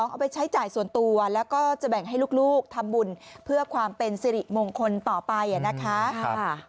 เอาไปใช้จ่ายส่วนตัวแล้วก็จะแบ่งให้ลูกทำบุญเพื่อความเป็นสิริมงคลต่อไปนะคะ